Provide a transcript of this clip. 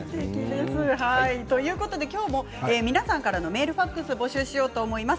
今日も皆さんからのメール、ファックスを募集します。